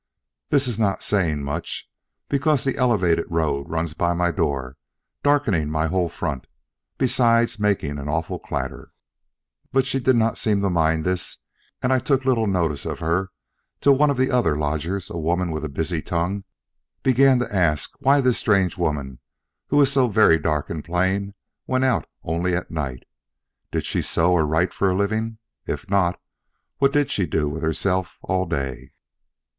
This is not saying much, because the elevated road runs by my door, darkening my whole front, besides making an awful clatter. But she did not seem to mind this, and I took little notice of her, till one of the other lodgers a woman with a busy tongue began to ask why this strange woman, who was so very dark and plain, went out only at night? Did she sew or write for a living? If not, what did she do with herself all day?